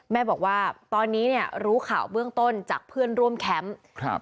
แม่บอกว่าตอนนี้เนี่ยรู้ข่าวเบื้องต้นจากเพื่อนร่วมแคมป์ครับ